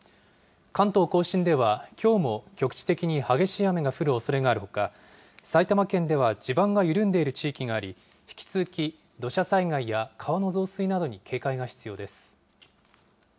関東甲信ではきょうも局地的に激しい雨が降るおそれがあるほか、埼玉県では地盤が緩んでいる地域があり、引き続き土砂災害や川の増水などに警戒が必要です。